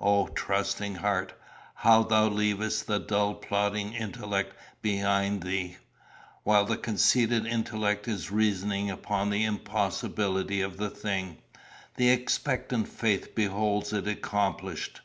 O, trusting heart, how thou leavest the dull plodding intellect behind thee! While the conceited intellect is reasoning upon the impossibility of the thing, the expectant faith beholds it accomplished.